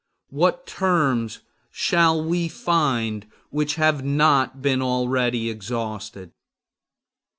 What terms shall we find which have not been already exhausted?